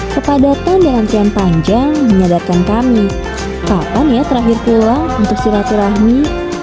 kepadatan dan antrian panjang menyadarkan kami kapan ya terakhir pulang untuk silaturahmi